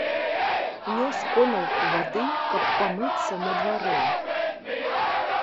Нёс конаўку вады, каб памыцца на дварэ.